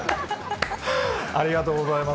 ありがとうございます。